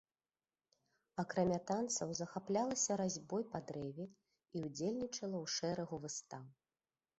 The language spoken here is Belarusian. Акрамя танцаў захаплялася разьбой па дрэве і ўдзельнічала ў шэрагу выстаў.